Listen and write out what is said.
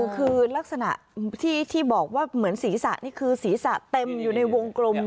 คือลักษณะที่บอกว่าเหมือนศีรษะนี่คือศีรษะเต็มอยู่ในวงกลม